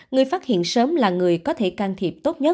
người phát hiện sớm là người có thể can thiệp